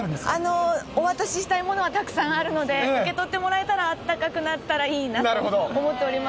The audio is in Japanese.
お渡ししたいものはたくさんあるので、受け取ってもらえたら、あったかくなったらいいなと思っております。